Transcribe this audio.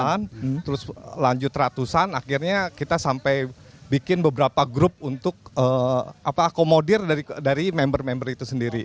jalan terus lanjut ratusan akhirnya kita sampai bikin beberapa grup untuk akomodir dari member member itu sendiri